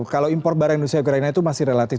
kalau impor barang indonesia ukraina itu masih relatif